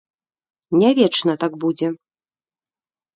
Не вечна так будзе!